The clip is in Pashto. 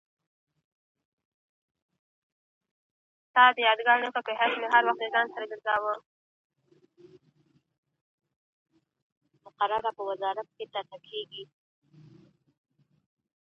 په لاس لیکلنه د ژوند د لاري د روښانه کولو ډېوه ده.